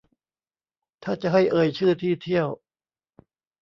ถ้าจะให้เอ่ยชื่อที่เที่ยว